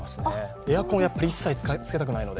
エアコンは一切つけたくないので。